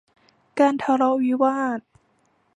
การทะเลาะวิวาท